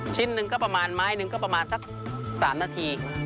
ชิ้นหนึ่งก็ประมาณไม้หนึ่งก็ประมาณสัก๓นาที